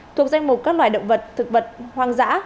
thuộc danh mục các loài động vật thực vật hoang dã